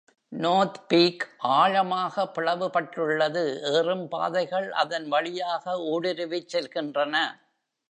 North Peak ஆழமாக பிளவுபட்டுள்ளது, ஏறும் பாதைகள் அதன் வழியாக ஊடுருவிச் செல்கின்றன.